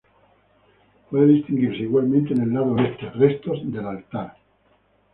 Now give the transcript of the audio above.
Puede distinguirse igualmente, en el lado este, restos del altar.